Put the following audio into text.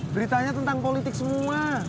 beritanya tentang politik semua